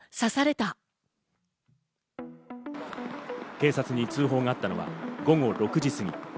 警察に通報があったのは午後６時過ぎ。